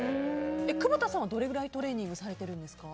久保田さんはどれくらいトレーニングされてるんですか。